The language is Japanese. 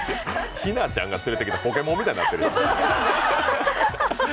日奈ちゃんが連れてきたポケモンみたいになってる。